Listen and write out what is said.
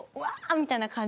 みたいな感じで。